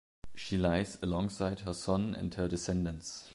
She lies alongside her son and her descendents.